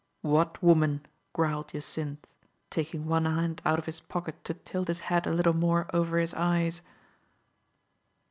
" What woman ?" growled Jacynth, taking one hand out of his pocket to tilt his hat a little more over his eyes.